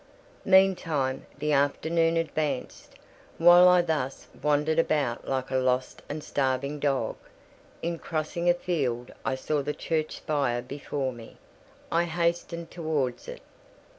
Meantime, the afternoon advanced, while I thus wandered about like a lost and starving dog. In crossing a field, I saw the church spire before me: I hastened towards it.